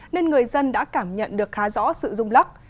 nên người dân đã cảm nhận được khá rõ sự rung lắc